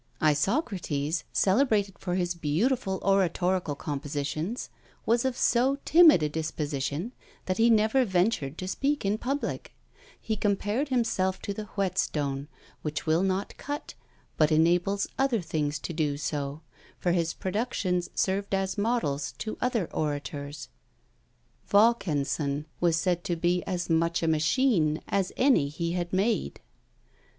Isocrates, celebrated for his beautiful oratorical compositions, was of so timid a disposition, that he never ventured to speak in public. He compared himself to the whetstone which will not cut, but enables other things to do so; for his productions served as models to other orators. Vaucanson was said to be as much a machine as any he had made.